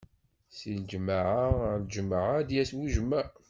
Si leǧmaɛ ar leǧmaɛ, ad d-yas bujmaɛ.